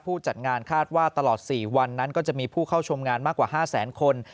จัดงานคาดว่าตลอด๔วันนั้นก็จะมีผู้เข้าชมงานมากกว่า๕แสนคน